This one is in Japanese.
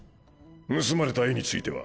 盗まれた絵については？